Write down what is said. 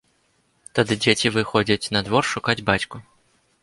Тады дзеці выходзяць на двор шукаць бацьку.